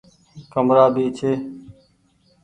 ڪمرآ ڀي ڇي ۔